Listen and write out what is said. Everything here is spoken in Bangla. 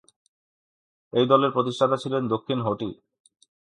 এই দলের প্রতিষ্ঠাতা ছিলেন দক্ষিণ হোটি।